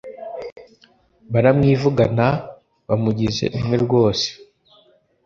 baramwivugana bamugize umwe rwose!